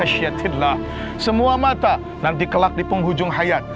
semua mata nanti kelak di penghujung hayat